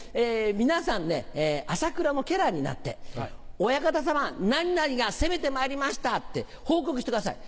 皆さんね朝倉の家来になって「お屋形さま何々が攻めてまいりました」って報告してください。